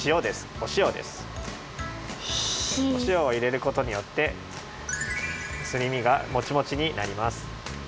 おしおを入れることによってすり身がモチモチになります。